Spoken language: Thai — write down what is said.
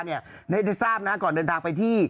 ได้ทราบนะก่อนเดินทางไปที่